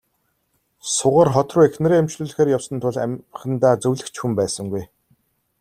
Сугар хот руу эхнэрээ эмчлүүлэхээр явсан тул амьхандаа зөвлөх ч хүн байсангүй.